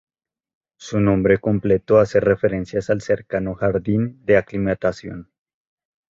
Su nombre completo hace referencias al cercano Jardín de Aclimatación.